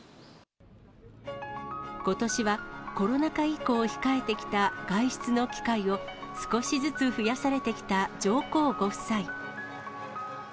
ことしは、コロナ禍以降控えてきた外出の機会を少しずつ増やされてきた上皇ご夫妻。